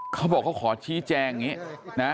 เขาบอกเขาขอชี้แจงแบบนี้